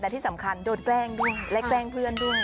และที่สำคัญโดนแกล้งด้วยและแกล้งเพื่อนด้วย